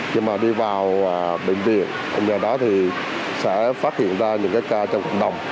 nhưng mà đi vào bệnh viện do đó thì sẽ phát hiện ra những ca trong cộng đồng